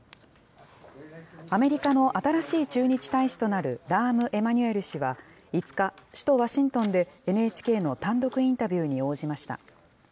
アメリカの新しい駐日大使となる、ラーム・エマニュエル氏は５日、首都ワシントンでＮＨＫの単独インタビューに応じました。